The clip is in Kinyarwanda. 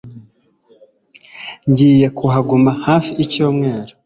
Ngiye kuhaguma hafi icyumweru.